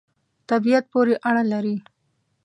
طبعیت پوری اړه لری